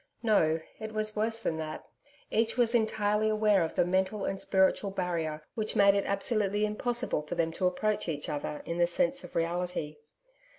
No, it was worse than that. Each was entirely aware of the mental and spiritual barrier, which made it absolutely impossible for them to approach each other in the sense of reality.